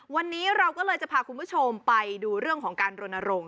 วันนี้เราก็เลยจะพาคุณผู้ชมไปดูเรื่องของการรณรงค